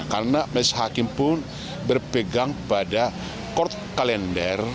karena majelis hakim pun berpegang pada court calendar